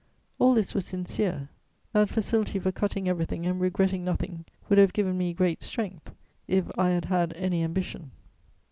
All this was sincere: that facility for cutting everything and regretting nothing would have given me great strength, if I had had any ambition.